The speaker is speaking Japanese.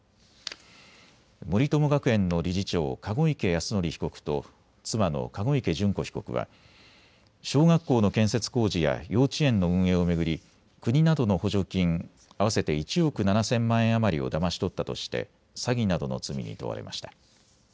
森友学園の理事長、籠池泰典被告と妻の籠池諄子被告は小学校の建設工事や幼稚園の運営を巡り国などの補助金合わせて１億７０００万円余りをだまし取ったとして詐欺などの罪に問われました。